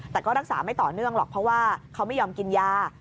แต่ก็รักษาไม่ต่อเนื่องหรอกเพราะว่าเขาไม่ยอมกินยา